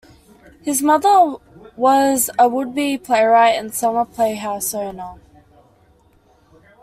His mother was a would-be playwright and summer playhouse owner.